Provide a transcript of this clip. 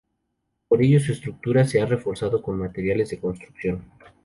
Por ello su estructura se ha reforzado con materiales de construcción.